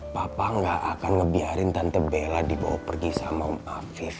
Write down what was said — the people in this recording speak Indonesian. papa gak akan ngebiarin tante bela dibawa pergi sama afif